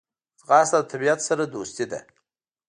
ځغاسته د طبیعت سره دوستي ده